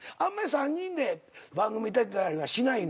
３人で番組出たりはしないのか。